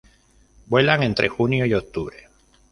Vuelan entre junio y octubre.